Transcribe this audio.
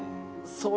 そう！